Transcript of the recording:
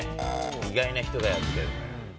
意外な人がやってる。